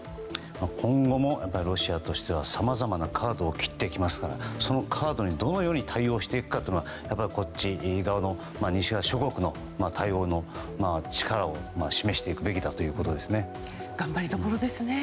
今後もロシアとしてはさまざまなカードを切っていきますからそのカードにどのように対応していくかというのはこっち側の西側諸国の対応の力を示していくべきだということですね。